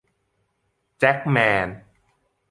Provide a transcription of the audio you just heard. แจ็คแมน